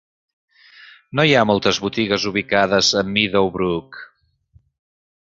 No hi ha moltes botigues ubicades a Meadowbrook.